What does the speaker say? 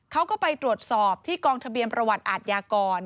เขาก็ไปตรวจสอบที่กองทะเบียนประวัติอาทยากร